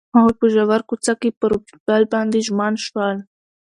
هغوی په ژور کوڅه کې پر بل باندې ژمن شول.